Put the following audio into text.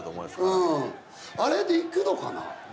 あれでいくのかな？